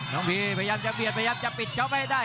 น้องพีพยายามจะเบียดพยายามจะปิดเจ้าไม่ได้